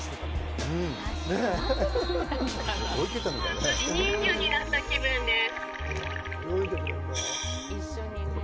本当に人魚になった気分です。